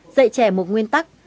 dạy trẻ một nguyên tắc